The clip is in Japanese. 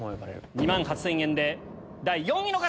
２万８０００円で第４位の方！